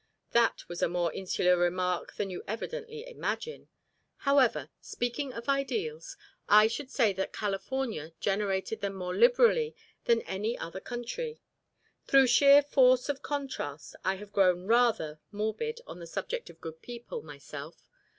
"That was a more insular remark than you evidently imagine. However speaking of ideals, I should say that California generated them more liberally than any other country through sheer force of contrast. I have grown rather morbid on the subject of good people, myself.